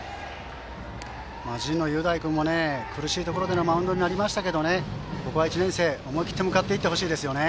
神農雄大君も苦しいところでのマウンドになりましたけどここは１年生、思い切って向かっていってほしいですね。